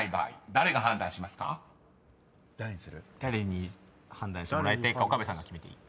誰に判断してもらいたいか岡部さんが決めていい。